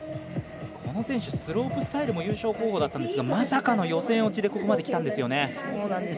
この選手、スロープスタイルも優勝候補だったんですがまさかの予選落ちでここまできたんですよね。